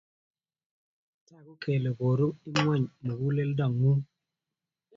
Tagu kele koru ingweny muguleldo ngung